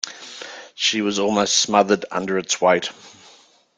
She was almost smothered under its weight.